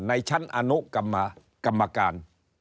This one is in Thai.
ในชั้นอนุกรรมการ